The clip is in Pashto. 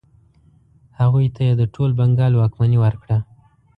هغوی ته یې د ټول بنګال واکمني ورکړه.